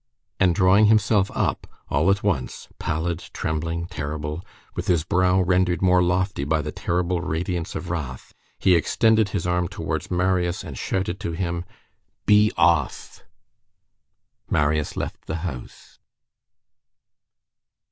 And drawing himself up, all at once, pallid, trembling, terrible, with his brow rendered more lofty by the terrible radiance of wrath, he extended his arm towards Marius and shouted to him:— "Be off!" Marius left the house.